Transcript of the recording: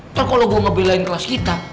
ntar kalau gue ngebelain kelas kita